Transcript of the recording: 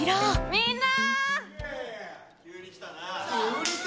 みんな！